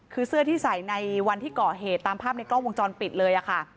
คือเสื้อที่ใส่ในวันที่ก่อเหตุตามภาพในกล้องวงจรปิดเลยค่ะ